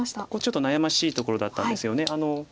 ここちょっと悩ましいところだったんですよね。